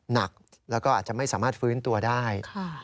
หนักแล้วก็อาจจะไม่สามารถฟื้นตัวได้